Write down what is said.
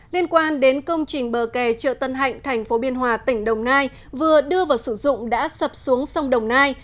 liên quan đến công trình bờ kè chợ tân hạnh thành phố biên hòa tỉnh đồng nai vừa đưa vào sử dụng đã sập xuống sông đồng nai